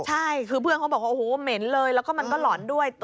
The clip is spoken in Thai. ใช่คือเพื่อนเขาบอกว่าโอ้โหเหม็นเลยแล้วก็มันก็หล่อนด้วย